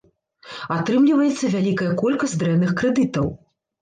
Атрымліваецца вялікая колькасць дрэнных крэдытаў.